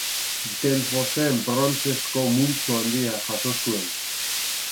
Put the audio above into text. Delfosen brontzezko multzo handia jaso zuen.